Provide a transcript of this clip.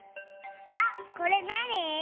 あこれなに？